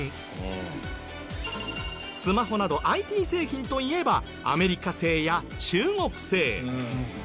スマホなどＩＴ製品といえばアメリカ製や中国製。